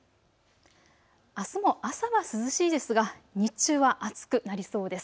あすも朝は涼しいですが日中は暑くなりそうです。